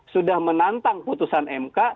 sudah menantang keputusan mk